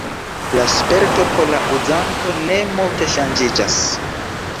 La sperto por la uzanto ne multe ŝanĝiĝas.